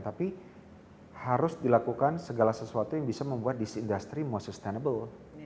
tapi harus dilakukan segala sesuatu yang bisa membuat this industry more sustainable